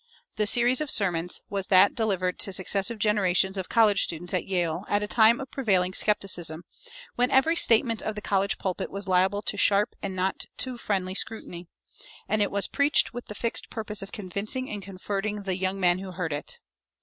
The "series of sermons" was that delivered to successive generations of college students at Yale at a time of prevailing skepticism, when every statement of the college pulpit was liable to sharp and not too friendly scrutiny; and it was preached with the fixed purpose of convincing and converting the young men who heard it.